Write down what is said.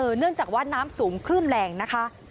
เนื่องจากว่าน้ำสูงคลื่นแรงนะคะ